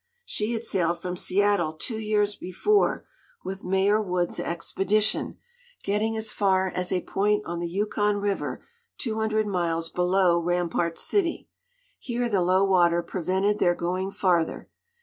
She had sailed from Seattle two years before with Mayor Woods' expedition, getting as far as a point on the Yukon River two hundred miles below Rampart City. Here the low water prevented their going farther.